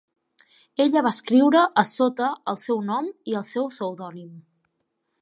Ella va escriure a sota el seu nom i el seu pseudònim.